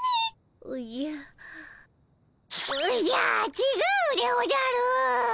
ちがうでおじゃる！